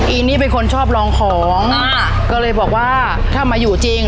อินนี่เป็นคนชอบลองของอ่าก็เลยบอกว่าถ้ามาอยู่จริง